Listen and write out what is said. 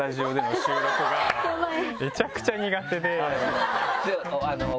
めちゃくちゃ苦手で。